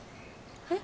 え？